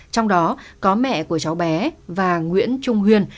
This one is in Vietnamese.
trong đó có mẹ của cháu bé và nguyễn trung huyên